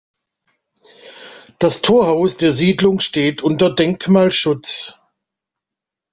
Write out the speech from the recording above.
Das Torhaus der Siedlung steht unter Denkmalschutz.